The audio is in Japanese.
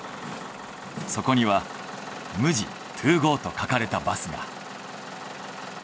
そこには「ＭＵＪＩｔｏＧＯ」と書かれたバスが。